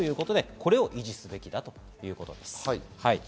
これを維持すべきということです。